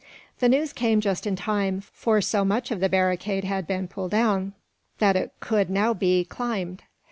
The news came just in time, for so much of the barricade had been pulled down that it could now be climbed.